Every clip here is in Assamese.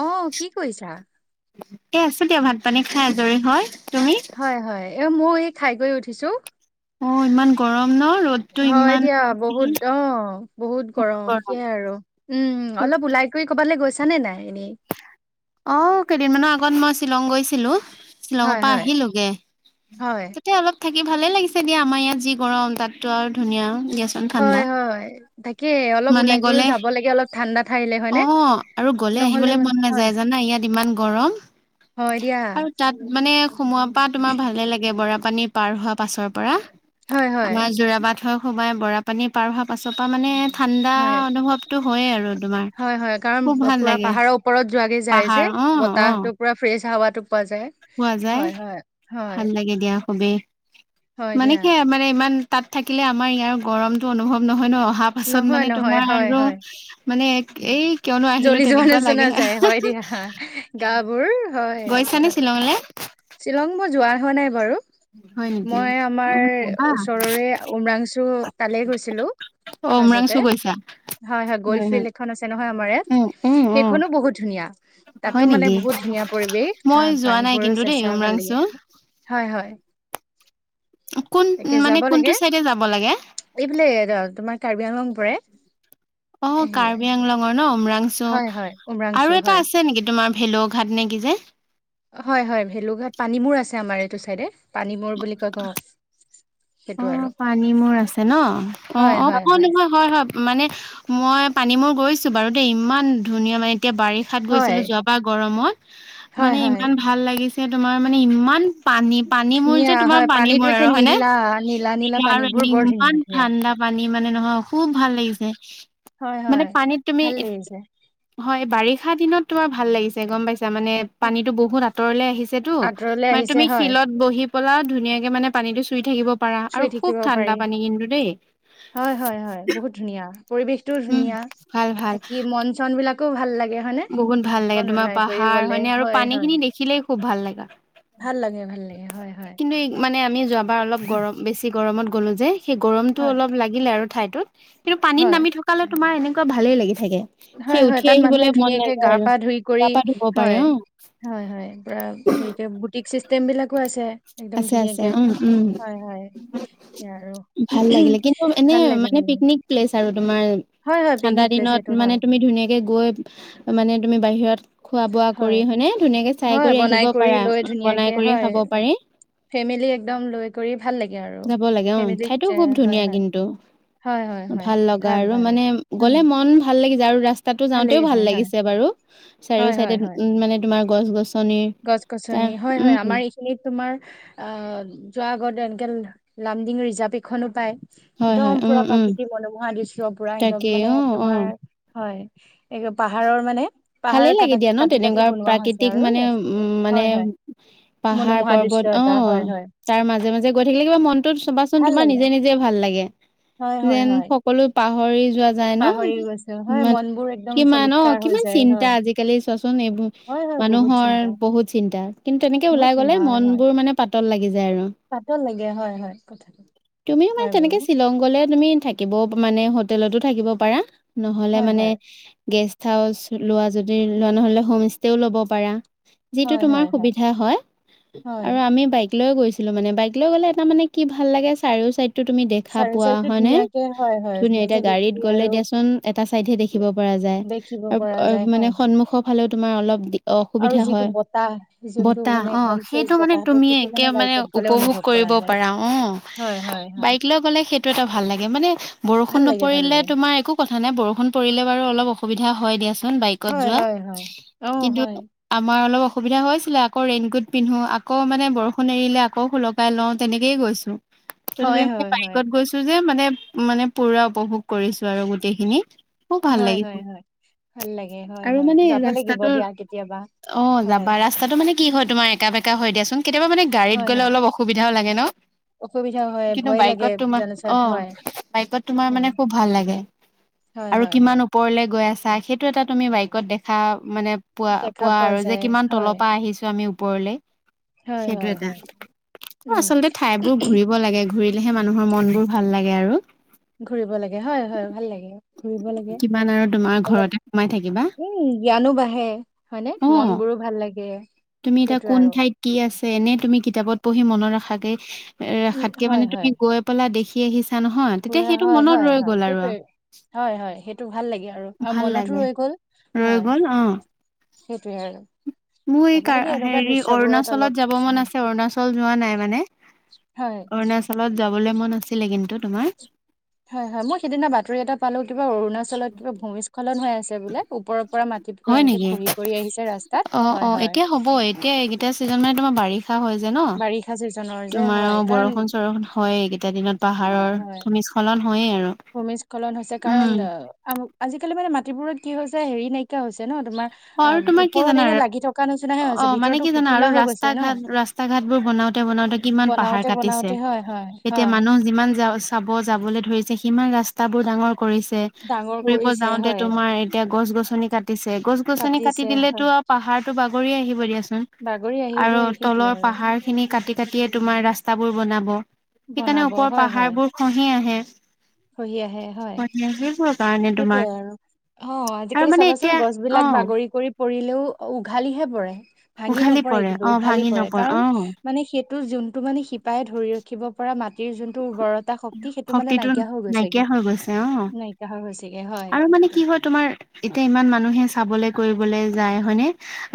অ' কি কৰিছা? এতিয়া ভাত পানী খাই আজৰি হৈ হয় হয়। এ ময়ো এই খাই গৈ উঠিছো। অ' ইমান গৰম ন ৰ'দ। হয় দিয়া বহুত অ বহুত গৰম সেয়াই আৰু উম উম অলপ ওলাই কৰি ক'বালৈ গৈছে। জানে নাই এনেই। অ' কেইদিনমানৰ আগত মই শ্বিলং গৈছিলো। শ্বিলঙৰ হয় পৰা হয় আহিলোগে হয় তেতিয়া অলপ থাকি ভালে লাগিছে দিয়া আমাৰ ইয়াত যি গৰম তাতটো আৰু ধুনীয়া। দিয়াচোন ঠাণ্ডা হয় হয়, তাকে অলপ মানে ওলাই কৰিও গ'লে যাব লাগে অলপ ঠাণ্ডা ঠাইলে অ হয়নে? আৰু গলে নহ'লে আহিবলে মানে মন হয় নাযায় জানা ইয়াত ইমান গৰম হয় দিয়া আৰু তাত মানে সোমোৱাৰ পা তোমাৰ ভালেই লাগে বৰাপানী পাৰ হোৱা পাছৰ পৰা। হয় হয় আমাৰ যোৰাবাট হয় সোমাই বৰাপানী পাৰ হোৱা পাছৰ পৰা মানে ঠাণ্ডা হয় অনুভৱটো হয়ে আৰু তোমাৰ খুব ভাল লাগে। যোৱাকে যাই যে পাহাৰ অ অ বতাহটো পুৰা ফ্ৰেচ হাৱাতো পোৱা যায়। পোৱা যায় হয় হয়, হয়। ভাল লাগে দিয়া খুবেই হয় মানে দিয়া কি মানে ইমান তাত থাকিলে আমাৰ ইয়াৰ গৰমটো অনুভৱ নহয় ন! অহা পাছত নহয় মানে নহয় তোমাৰ হয় আৰু হয় মানে এক এই কিয়নো আহিলো জ্বলি যোৱা তেনেকুৱা লাগে নিচনা যায় হয় দিয়া গা বোৰ হয় গৈছানে কথা। শ্বিলঙলে শ্বিলং মই যোৱা হোৱা নাই বাৰু। হয় নেকি মই অ আমাৰ যাবা ওচৰৰে উমৰাংচু তালেই গৈছিলো। অ উমৰাংচু মাজতে গৈছা হয় হয় গল্ফ ফিল্ড এখন আছে নহয় আমাৰ ইয়াত। উম উম উম সেইখনো বহুত ধুনীয়া। তাতো হয় মানে নেকি বহুত ধুনীয়া পৰিবেশ মই স্থান যোৱা নাই পানীবোৰ কিন্তু দেই চেঁচা ভাল উমৰাংচু লাগে। হয় হয়। কোন তাকে মানে যাব কোনটো লাগে। চাইডে যাব লাগে এইফালে তোমাৰ কাৰ্বি আংলং পৰে। অ সেয়াই কাৰ্বি আংলঙৰ ন অমৰাং চ হয় হয় উমৰাংচু আৰু এটা হয় আছে নেকি তোমাৰ ভেলুঘাট নেকি যে? হয় হয় ভেলুঘাট পানী মূৰ আছে আমাৰ এইটো চাইডে পানী মৰ বুলি কয় ক। অ পানী মোৰ আছে ন অ হয় অ হয় ক নহয় হয় হয় মানে মই পানী মূৰ গৈছো বাৰু দেই ইমান ধুনীয়া মানে এতিয়া বাৰিষাত হয়, গৈছিলো যোৱাবাৰ গৰমত। হয়, মানে হয়, ইমান ভাল লাগিছে তোমাৰ মানে ইমান পানী পানী মূৰ ধুনীয়া যে তোমাৰ হয়, পানী পানীটো মূৰ একে আৰু হয় নে? নীলা, নীলা, নীলা আৰু পানীবোৰ এনে বৰ ইমান ধুনীয়া, ধুনীয়া। ঠাণ্ডা পানী মানে নহয় খুব ভাল লাগিছে। হয়, মানে হয়, পানীত তুমি ভাল লাগিছে। হয় বাৰিষা দিনত তোমাৰ ভাল লাগিছে গম পাইছ- মানে পানীতো বহুত আঁতৰলে আহিছেতো আঁতৰলে মানে আহিছে তুমি হয়, শিলত বহি- পলা ধুনীয়াকে মানে পানীটো চুই থাকিব। পাৰা আৰু চুই খুব থাকিব ঠাণ্ডা পাৰি, পানী কিন্তু দেই। হয় হয় হয় বহুত ধুনীয়া পৰিৱেশটোও উম, ধুনীয়া। ভাল ভাল থাকি মন চন বিলাকো ভাল লাগ- হয় নে, বহুত ভাল লাগে অকন তোমাৰ ওলাই কৰি পাহাৰ গলে হয়নে আৰু হয় পানী খিনি হয়। দেখিলেই খুব ভাল লগা। ভাল লাগে ভাল লাগে। হয়, হয়, কিন্তু মানে আমি যোৱাবাৰ অলপ গৰম বেছি গৰমত গ'লো যে সেই গৰমতটো হয়। অলপ লাগিলে আৰু। ঠাইত কিন্তু পানীত হয়, নামি থকালে তোমাৰ এনেকুৱা ভালেই লাগি থাকে। হয়, সেই হয়, উঠি তাত মানুহে আহিবলৈ মন ধুনীয়াকে গা নাযায় পা আৰু ধুই কৰি গা পা ধুব পাৰে হয়, অ। হয় হয় পুৰা হেৰিক বুটিক চিষ্টেম বিলাকো আছে। একদম আছে আছে ধুনীয়াকে উম উম হয় হয় সেইয়া আৰু ভাল লাগিলে কিন্তু এনে ভাল লাগে মানে ভাল। লাগে পিকনিক প্লেচ আৰু তোমাৰ হয় হয় ঠাণ্ডা পিকনিক প্লেচ এইটো দিনত মানে হয় তুমি ধুনীয়াকে গৈ মানে তুমি বাহিৰত। খোৱা বোৱা কৰি হয় হয়নে ধুনীয়াকে চাই হয় কৰি বনাই আহিব পাৰা, লৈ অ ধুনীয়াকে বনাই কৰি হয় খাব পাৰি। ফেমিলি একদম লৈ কৰি ভাল লাগে আৰু যাব লাগে অ ফেমিলীক ঠাইতো যায় খুব হয় ধুনীয়া হয়। কিন্তু হয় হয় হয় ভাল লগা আৰু ভাল মানে উম গ'লে মন ভাল। ভাল লাগি যায় আৰু ৰাস্তাতো ভালেই যাওঁতেও ভাল যায় হয় লাগিছে বাৰু চাৰি হয় চাইডে হয় হয় মানে তোমাৰ গছ গছ। গছ গছনি হয় হয় আমাৰ এইখিনিত তোমাৰ যোৱা আগত এনেকে লামডিং ৰিজাৰ্ভ এখনো পায়। হয় হয় একদম উম পুৰা উম প্ৰাকৃতিক মনোমোহা দৃশ্য পুৰা তাকে একদম মানে অ অ তোমাৰ হয়। একে পাহাৰৰ মানে। পাহাৰ ভালে লাগে কটা দিয়া ন কাটি কাটি তেনেকুৱা বনোৱা হৈছে প্ৰাকৃতিক আৰু মানে ৰাস্তাটো উম মানে হয় হয় পাহাৰ মনোমোহা দৃশ্য পৰ্বত অ এটা হয় হয় তাৰ মাজে মাজে গৈ থাকিলে কিবা মনটোত চবাচোন ভাল তোমাৰ লাগে নিজে নিজে ভাল লাগে হয় হয় যেন হয় সকলো পাহৰি যোৱা যায় ন পাহৰি গৈছো হয় মন বোৰ একদম কিমান অ ফলিতকাৰ হৈ কিমান। যায় চিন্তা হয় আজিকালি চোৱাচোন এইবোৰ হয় হয় বহুত মানুহৰ চিন্তা বহুত চিন্তা। কিন্তু তেনেকে বহুত ওলাই গ'লে চিন্তা হয় হয় মনবোৰ মানে পাতল লাগি যায় আৰু। পাতল লাগে হয় হয় কথাটো তুমিও মানে হয় বাৰু তেনেকে শ্বিলং গলে তুমি থাকিব। মানে হোটেলতো থাকিব পাৰা নহ'লে হয় মানে হয় গেষ্ট হাউচ। লোৱা যদি লোৱা নহ'লে হোম ষ্টেও ল'ব পাৰা। যিটো হয় তোমাৰ হয় সুবিধা হয় হয় আৰু আমি বাইক লৈ গৈছ- ছিলো মানে বাইক লৈ গ'লে এটা মানে কি ভাল লাগে চাৰিও চাইড টো তুমি দেখা চাইড পোৱা চাইডটো হয়নে? ধুনীয়াকে হয় হয় ধুন ধুনীয়াকে এতিয়া দেখি গাড়ীত গ'লে আৰু দিয়াচোন এটা চাইডহে দেখিব পৰা যায় দেখিব পৰা আৰু যায় মানে হয় হয় সন্মুখৰ ফালেও তোমাৰ অলপ আৰু অসুবিধা যিটো হয়, বতাহ যোনটো বতাহ মানে অ একদম ফ্ৰেছ সেইটো মানে বতাহটো তুমি সেইটো একে মানে বাইকত গ'লে উপভোগ অনুভৱ কৰা কৰিব যায় পাৰা অ, হয় হয় হয় বাইক লৈ গ'লে সেইটো এটা ভাল লাগে, মানে বৰষুণ ভাল লাগে ভাল নপৰিলে লাগে তোমাৰ মাৰ একো কথা নাই। বৰষুণ পৰিলে বাৰু অলপ অসুবিধা হয় দিয়াচোন বাইকত হয় যোৱা। হয় হয় অ কিন্তু হয় আমাৰ অলপ অসুবিধা হৈছিলে আকৌ ৰেনকোট পিন্ধো আকৌ বৰষুণ এৰিলে আকৌ সুলকাই লওঁ তেনেকেইে গৈছো। তথাপি হয় মই হয় হয় বাইকত গৈছো যে মানে মানে পুৰা উপভোগ কৰিছো আৰু গোটেইখিনি। খুব ভাল হয় হয় লাগিছে। হয় ভাল লাগে হয় আৰু হয় মানে যাব লাগিব ৰাস্তাটো, দিয়া কেতিয়াবা অ হয় যাবা ৰাস্তাটো মানে কি হয় তোমাৰ একা বেকা হৈ দিয়া চোন। কেতিয়াবা মানে গাডীত হয় গ'লে হয় অলপ অসুবিধাও লাগে ন। অসুবিধা হয় কিন্তু ভয় লাগে বাইকত তোমাৰ জনচত অ হয় বাইকত তোমাৰ হয় মানে খুব ভাল লাগে। হয় আৰু হয় কিমান হয় ওপৰলে গৈ আছে সেইটো এটা তুমি বাইকত দেখা মানে পোৱা দেখা পোৱা আৰু যে যায় কিমান হয় তলৰ পৰা আহিছো আমি ওপৰলে হয় সেইটো হয় এটা। হয় অ উম আচলতে ঠাই বোৰ ঘুৰিব লাগে। ঘুৰিলেহে মানুহৰ মন বোৰ ভাল লাগে আৰু। ঘুৰিব লাগে। হয়, হয়। ভাল লাগে। ঘূৰিব লাগে। কিমান আৰু তোমাৰ ঘৰতে সোমাই থাকিবা ও জ্ঞানো বাঢ়ে, অ'। মনবোৰো ভাল লাগে। তুমি এতিয়া সেইটোৱে কোন আৰু ঠাইত কি আছে এনে তুমি কিতাপত পঢ়ি মনত ৰাখাগে। উম ৰখাতকে হয় মানে তুমি হয় গৈ পেলাই দেখি আহিছা নহয় তেতিয়া পুৰা সেইটো হয় মনত হয় ৰৈ হয় গ'ল আৰু। সেইটোৱে হয়, হয়। সেইটো ভাল লাগে আৰু। বা ভাল মনতো লাগে ৰৈ গল, ৰৈ হয়। গ'ল অ সেইটোৱে আৰু। মোৰ এই যাব লাগে এনেকুৱা হেৰি দৃশ্যবোৰত অলপ অৰুণাচলত যাব মন হয় আছে, অৰুণাচল যোৱা নাই মানে। হয় অৰুণাচলত যাবলৈ মন আছিলে কিন্তু তোমাৰ হয়, হয়। মই সিদিনা বাতৰি এটা পালো কিবা অৰুণাচলত কিবা ভূমিস্খলন হৈ আছে বোলে। ওপ পৰা মাটি পৰা হয় এনেকে নেকি খহি কৰি আহিছে ৰাস্তাত, অ হয় অ হয়। এতিয়া চছা হয় যে ন বাৰিষা ছিজনৰ যে তোমাৰ হয় কাৰণ বৰষুণ চৰষুন হয় এই কেইটা দিনত। হয় পাহাৰৰ হয় ভূমিস্খলন হয়ে আৰু ভূমিস্খলন হৈছে কাৰণ উম অ আজিকালি মানে মাটিবোৰত কি হৈছে হেৰি নাইকিয়া হৈছে ন। তোমাৰ আৰু অ তোমাৰ কি ওপৰত জানা এনে লাগি থকা নিচিনা হে অ হৈছে। মানে ভিতৰতো কি জানা আৰু ফুফোলা হৈ ৰাস্তা গৈছে ন। ঘাট ৰাস্তা ঘাট বোৰ বনাওতে বনাওতে কিমান পাহাৰ বনাওতে কাটিছে বনাওতে হয় হয় এতিয়া হয় মানুহ যিমান যা চাব যাবলৈ ধৰিছে সিমান ৰাস্তাবোৰ ডাঙৰ কৰিছে। ডাঙৰ ফুৰিব কৰিছে যাওঁতে হয় তোমাৰ এতিয়া গছ-গছনি কাটিছে। গছ গছনি কাটি কাটিছে দিলেতো হয় আৰু পাহাৰটো বাগৰি আহিবই দিয়া বাগৰি আৰু আহিবই সেইটোৱে তলৰ আৰু পাহাৰ খিনি কাটি ততিয়ে তোমাৰ ৰাস্তাবোৰ বনাব। সেইকাৰণে বনাব ওপৰৰ হয় হয় পাহাৰবোৰ খহি আহে। খহি আহে হয়। খহি আহে সেইবোৰৰ কাৰণে তোমাৰ সেইটোয়ে আৰু। অ আৰু আজিকালি মানে চাবাচোন এতিয়া গছ অ বিলাক বাগৰি কৰি পৰিলেও উঘালিহে পৰে। ভাঙি উঘালি নপৰে, পৰে কিন্তু অ উঘালি ভাঙি পৰে নপৰে কাৰণ অ মানে সেই টো যোনটো মানে শিপাই ধৰি ৰাখিব পৰা মাটিৰ যোনটো উৰ্বৰতা শক্তি সেইটো মানে শক্তিটো নাই নাইকিয়া হৈ গৈছে, অ। হৈ গৈছেগে হয় আৰু মানে কথাটো কি হয় তোমাৰ এতিয়া ইমান মানুহে চাবলৈ কৰিবলৈ যায় হয়নে।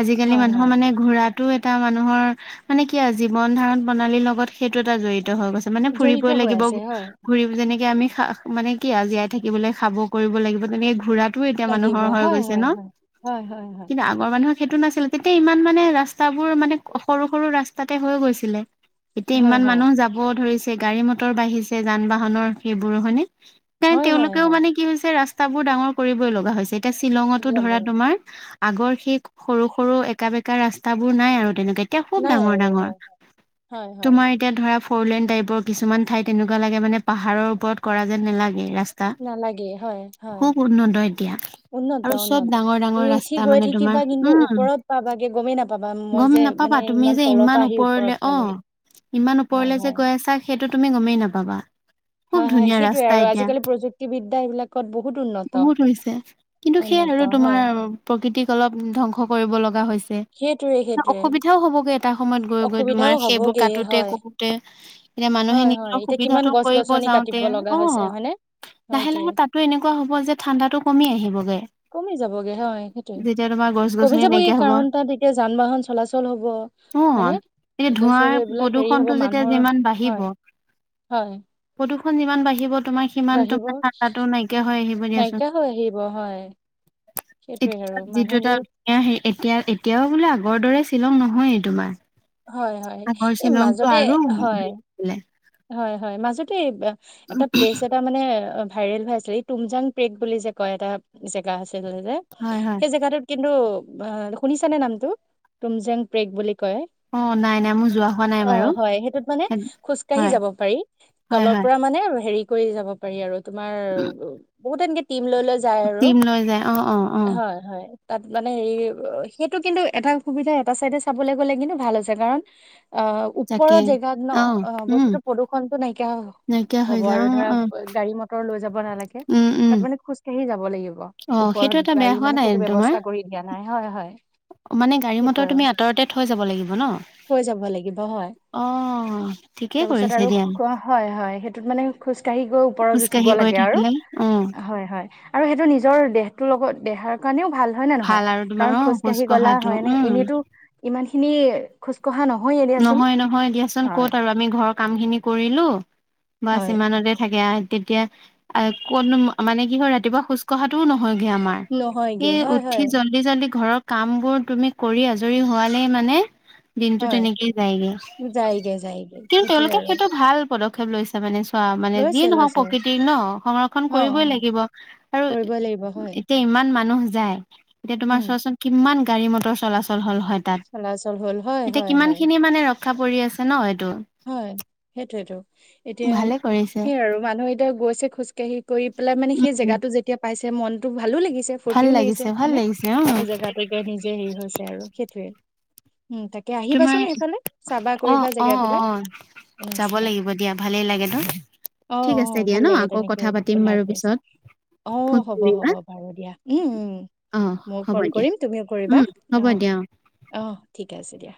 আজিকালি হয় মানুহৰ হয় মানে ঘুৰাত টো এটা মানুহৰ মানে কি আৰু জীৱন ধাৰণ প্ৰণালীৰ লগত সেইটো এটা জড়িত হৈ গৈছে মানে জড়িত ফুৰিবই হৈ লাগিব আছে হয় ঘুৰি যেনেকে আমি খা মানে কি জীয়াই থাকিবলৈ খাব কৰিব লাগিব তেনেকে ঘূৰাটোও এতিয়া লাগিব মানুহৰ হৈ হয় গৈছে হয় ন। হয় হয় হয় হয় কিন্তু আগৰ মানুহ সেইটো নাছিলে। তেতিয়া ইমান মানে ৰাস্তাবোৰ মানে সৰু সৰু ৰাস্তাতে হৈ গৈছিলে। এতিয়া হয় ইমান হয় মানুহ যাব ধৰিছে, গাড়ী মটৰ বাঢ়িছে যান বাহনৰ সেইবোৰ হয়নে? হয়, হয়, হয়। ৰাস্তা বোৰ ডাঙৰ কৰিবই লগা হৈছে। এতিয়া শ্বিলঙতো যাব ধৰা তোমাৰ আগৰ সেই সৰু সৰু একা বেকা ৰাস্তাবোৰ নাই আৰু তেনেকে এতিয়া খুব নাই ডাঙৰ আৰু ডাঙৰ। হয় হয় হয় তোমাৰ এতিয়া ধৰা ফ'ৰলেণ্ড টাইপৰ কিছুমান ঠাই তেনেকোৱা লাগে মানে পাহাৰৰ ওপৰত কৰা যেন নালাগে। ৰা নালাগে। হয় হয় খুব উন্নত এতিয়া। উন্নত আৰু চব উন্নত ডাঙৰ তুমি ডাঙৰ উঠি ৰাস্তা গৈ মানে থাকিবা তোমাৰ কিন্তু উম ওপৰত পাবাগে গমেই নাপাবা মই গম যে নাপা মানে বা তুমি যে তলৰ পৰা ইমান আহি ওপৰত ওপৰলে অ পালোহি ইমান হয় ওপৰলে হয় গৈ আছা যে সেইটো তুমি গমেই নাপাবা। খুব হয় হয় ধুনীয়া সেইটোয়ে ৰাস্তা আৰু এতিয়া আজিকালি প্ৰযুক্তিবিদ্যা এইবিলাক বহুত হৈছে কিন্তু সেইয়া উন্নত আৰু তোমাৰ হয় প্ৰকৃতিক অলপ ধ্বংস কৰি লগা হৈছে সেইটোয়ে সেইটোয়ে অসুবিধাও হবগ এটা সময়ত গৈ গৈ তোমাৰ অসুবিধাও সেইবোৰ হবগে কাটোতে হয় কৰোতে এতিয়া মানুহে হয় হয় নিজৰ এতিয়া কিমান সুবিধাটো গছ কৰিব গছনি যাওঁতে কাটিব লগা হৈছে হয়নে সটোৱে। টো এনেকৱা হ'ব যে ঠাণ্ডাটো কমি আহিবগে। কমি যাবগে হয় সেইটো যেতিয়া তোমাৰ গছ কমি গছনি যাবগে নাইকিয়া হ'ব কাৰণ তাত এতিয়া যান বাহন চলাচল হব। অ হয়নে এতিয়া চব ধোঁৱাৰ এইবিলাক হেৰি হ'ব প্ৰদূষণটো যেতিয়া মানুহৰ যিমান বাঢ়িব হয়। হয় খন যিমান বাঢ়িব তোমাৰ সিমান বাঢ়িব তোমাৰ ঠাণ্ডাটো নাইকিয়া হৈ আহিব দিয়াচোন। নাইকিয়া হৈ আহিব হয় সেইটোৱে আৰু এতিয়া যিটো এটা মানুহবোৰ এতিয়া এতিয়াও বোলে আগৰ দৰে। শ্বিলং নহয়েই তোমাৰ। হয় হয় আগৰ এই শ্বিলংটো মাজতে আৰু হয় হেৰি আছিলে হয় হয় মাজতে এটা প্লেচ এটা মানে ভাইৰেল হৈ আছিলে তুমজাং প্ৰেক বুলি যে কয় এটা জেগা আছে হয় হয় সেই জেগাটোত কিন্তু শুনিছানে নামটো তুমজেং প্ৰেগ বুলি অ নাই নাই মোৰ যোৱা হোৱা নাই অও বাৰু অ হয় সেইটোত মানে খোজ কাঢ়ি হয় যাব পাৰি হয় তলৰ হয় পৰা মানে হেৰি কৰি যাব পাৰি আৰু তোমাৰ উম, বহুত এনেকে টিম লৈ লৈ যায় আৰু টিম লৈ যায় অ অ অ হয় হয় তাত মানে হেৰি সেইটো কিন্তু এটা সুবিধা এটা চাইডে চাবলৈ গ'লে কিন্তু ভাল হৈছে কাৰণ অ ওপৰৰ তাকেই জেগাত ন অ উম বস্তুতো প্ৰদূষণতো নাই কীয়া নাইকিয়া হৈ হ'ব যায় আৰু অ ধৰা অ গাড়ী মটৰ লৈ যাব নালাগে উম উম তাত মানে খোজকাঢ়ি যাব লাগিব অ সেইটো ওপৰত এটা বেয়া গাড়ী হোৱা মানে নাই সেইটো তোমাৰ ব্যৱস্থা কৰি দিয়া নাই হয় হয় মানে গাড়ী সেইটো মটৰ আৰু তুমি আঁতৰতে থৈ যাব লাগিব ন থৈ যাব লাগিব হয় অ ঠিক তাৰপিছত আৰু হয় হয় সেইটোত মানে খোজ কঢ়ি গৈ ওপৰত উঠিব খোজকাঢ়ি গৈ লাগে আৰু থাকিলে অ হয় হয় আৰু সেইটো নিজৰ দেহটোৰ লগত দেহাৰ কাৰণেও ভাল হয় নে নহয় ভাল আৰু তোমাৰ কাৰণ অ খোজ খোজকাঢ়ি গলা কঢ়াটো হয় নে উম এনেতো ইমান খিনি খোজ কঢ়া নহয়ে দিয়াচোন। নহয় নহয় দিয়াচোন হয় ক'ত আৰু আমি ঘৰৰ কাম খিনি কৰিলো হয় বচমানতে থাকে তেতিয়া কতো মানে কি হয় ৰাতিপুৱা খোজ কঢ়াটোও নহয় হয়গে আমাৰ নহয়গে এই হয় উঠি হয় জল্দি জল্দি ঘৰৰ কাম বোৰ তুমি কৰি আজৰি হোৱালেই মানে দিনটো হয় তেনেকে যায়গে যায়গে কিন্তু সেইটোয়ে তেওঁলোকে আৰু সেইটো ভাল পদক্ষেপ লৈছে মানে চ মানে যিয়ে লৈছে নহওক লৈছে প্ৰকৃতি ন সংৰক্ষণ অ অ কৰিবই লাগিব আৰু কৰিবই লাগিব হয় এতিয়া ইমান মানুহ যায় এতিয়া তোমাৰ উম চোৱাচোন কিমান গাড়ী মটৰ চলাচল হল হয় তাত আ্লচল হল হয় এতিয়া হয় কিমান হয় খিনি মানে ৰক্ষা পৰি আছে ন এইটো হয় সেইটোৱেতো এতিয়া ভালে কৰিছে সেইয় আৰু মানুহে এতিয়া গৈছে খোজকাঢ়ি কৰি পেলাই মানে সেই উম জেগাতটো যেতিয়া পাইছে মনতো ভাল ভালো লাগিছে ভাল ফূুৰ্তিও লাগিছে ভাল মানে লাগিছে অ সেই জেগাাতটো গৈ নিজে হেৰি হৈছে আৰু সেইটোয়ে উম তাকে তোমাৰ আহিবাচোন এইফালে চাবা অ', কৰিবা অ', জেগাবিলাক অ', যাব নিশ্চয় লাগিব দিয়া ভালেই লাগে ন'। অ', ঠিক আছে -অ', দিয়া ভাল ন লাগে আকৌ তেনেকে কথা পাতিম ওলাই বাৰু কৰিছে। পিছত অহ, ফোন হ'ব কৰিবা -হ'ব বাৰু দিয়া উম- উম - উম। অ', মই হ'ব কল দিয়া কৰিম তুমিও কৰিবা উম, হ'ব অহ- দিয়া অ'। অহ ঠিকে আছে দিয়া।